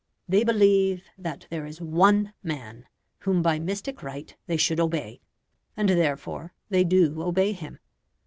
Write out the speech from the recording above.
They believe that there is ONE man whom by mystic right they should obey; and therefore they do obey him.